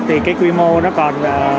thì cái quy mô nó còn